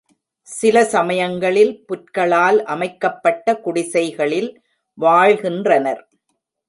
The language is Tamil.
சில சமயங்களில் புற்களால் அமைக்கப்பட்ட குடிசைகளில் வாழ்கின்றனர்.